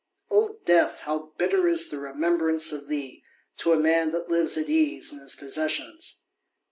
" O Death ! how bitter is the " remembrance of thee, to a man that lives at ease in his "possessions